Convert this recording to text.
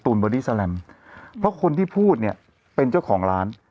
บอดี้แลมเพราะคนที่พูดเนี่ยเป็นเจ้าของร้าน